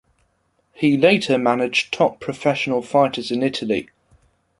He later managed top professional fighters in Italy.